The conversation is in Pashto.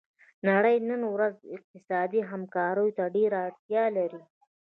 نړۍ نن ورځ اقتصادي همکاریو ته ډیره اړتیا لري